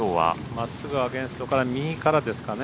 まっすぐアゲンストから右からですかね。